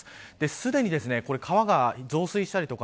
すでに川が増水したりとか